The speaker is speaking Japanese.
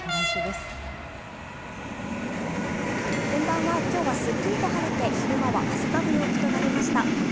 こんばんは、今日はすっきりと晴れて昼間は汗ばむ陽気となりました。